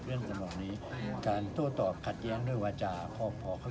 เมื่อกี้เราก็เรียกว่าเหตุการณ์อยู่ข้างหน้า